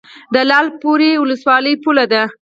د لعل پورې ولسوالۍ پوله ده